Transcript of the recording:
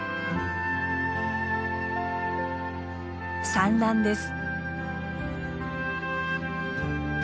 産卵です。